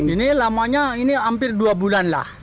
ini lamanya ini hampir dua bulan lah